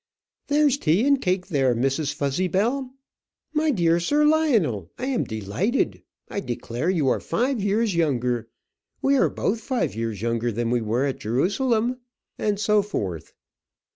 There's tea and cake there, Mrs. Fuzzybell. My dear Sir Lionel, I am delighted. I declare you are five years younger we are both five years younger than when we were at Jerusalem." And so forth.